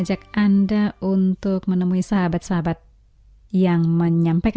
yang padaku bukan dari dunia